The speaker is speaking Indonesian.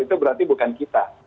itu berarti bukan kita